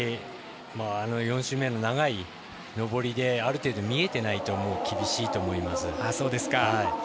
４周目の長い上りである程度見えてないと厳しいと思います。